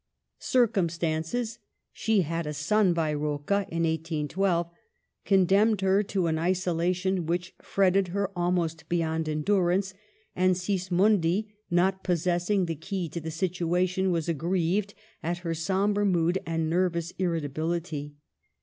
Circumstances (she had a son by Rocca in 1 812) condemned her to an isolation which fret ted her almost beyond endurance ; and Sismondi, not possessing the key to the situation, was aggrieved at her sombre mood and ndrvous irri tability.